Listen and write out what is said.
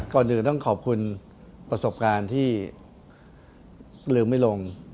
ก่อนอื่นต้องขอบคุณประสบการณ์ที่ลืมไม่ลง